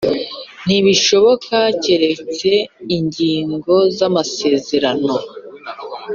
Ntibishoboka keretse ingingo z amasezerano